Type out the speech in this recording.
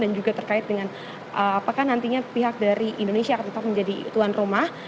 dan juga terkait dengan apakah nantinya pihak dari indonesia akan tetap menjadi tuan rumah